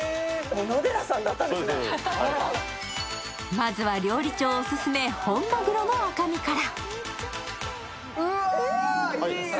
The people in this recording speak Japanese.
まずは料理長オススメ本まぐろの赤身から。